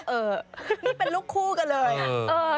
เออนี่เป็นลูกคู่กันเลย